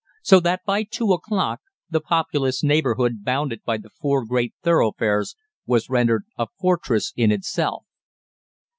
So that by two o'clock the populous neighbourhood bounded by the four great thoroughfares was rendered a fortress in itself.